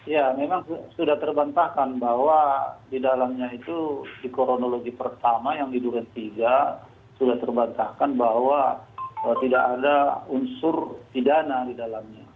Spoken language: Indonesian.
ya memang sudah terbantahkan bahwa di dalamnya itu di kronologi pertama yang di durian tiga sudah terbantahkan bahwa tidak ada unsur pidana di dalamnya